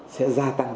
sẽ gia tăng